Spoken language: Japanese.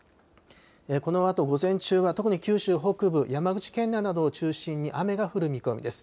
このあと午前中は特に九州北部、山口県内などを中心に雨が降る見込みです。